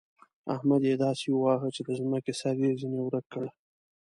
احمد يې داسې وواهه چې د ځمکې سر يې ځنې ورک کړ.